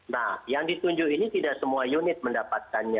nah yang ditunjuk ini tidak semua unit mendapatkannya